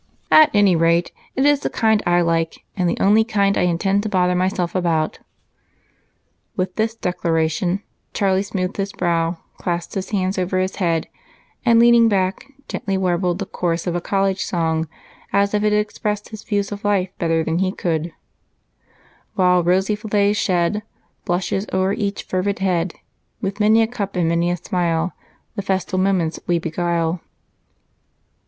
At any rate, it is the kind I like and the only kind I intend to bother myself about." With this declaration, Charlie smoothed his brow, clasped his hands over his head, and, leaning back, gently warbled the chorus of a college song as if it expressed his views of life better than he could: "While our rosy fillets shed Blushes o'er each fervid head, With many a cup and many a smile The festal moments we beguile."